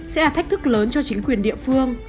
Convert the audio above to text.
sẽ là thách thức lớn cho chính quyền địa phương